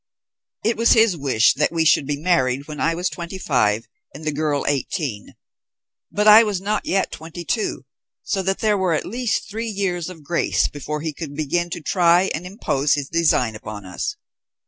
"It was his wish that we should be married when I was twenty five and the girl eighteen; but I was not yet twenty two, so that there were at least three years of grace before he could begin to try and impose his design upon us.